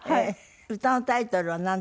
歌のタイトルはなんていう？